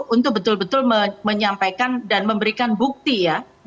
untuk betul betul menyampaikan dan memberikan bukti ya